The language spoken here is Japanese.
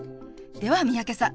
では三宅さん